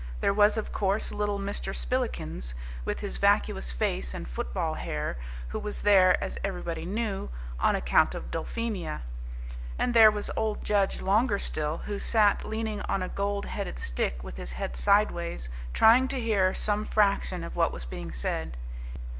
There was, of course, little Mr. Spillikins, with his vacuous face and football hair, who was there, as everybody knew, on account of Dulphemia; and there was old Judge Longerstill, who sat leaning on a gold headed stick with his head sideways, trying to hear some fraction of what was being said.